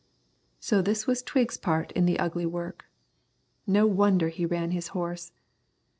So this was Twiggs's part in the ugly work. No wonder he ran his horse.